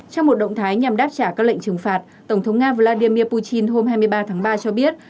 trong một động thái nhằm đáp trả các lệnh trừng phạt tổng thống nga vladimir putin hôm hai mươi ba tháng ba cho biết